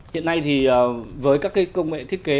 hiện nay thì với các cái công nghệ